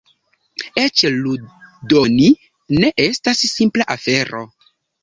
Eĉ ludoni ne estas simpla afero.